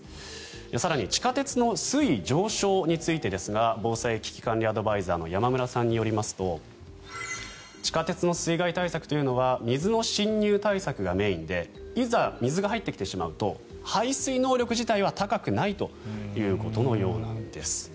更に地下鉄の水位上昇についてですが防災・危機管理アドバイザーの山村さんによりますと地下鉄の水害対策というのは水の浸入対策がメインでいざ水が入ってきてしまうと排水能力自体は高くないということのようなんです。